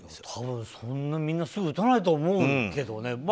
多分、そんなにみんなすぐに打たないと思うけどね。